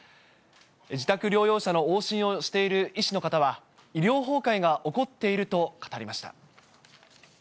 自宅療養者の往診をしている医師の方は、医療崩壊が起こっていると語りました。